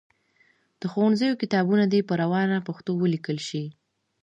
د ښوونځیو کتابونه دي په روانه پښتو ولیکل سي.